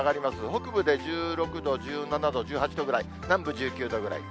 北部で１６度、１７度、１８度ぐらい、南部１９度ぐらい。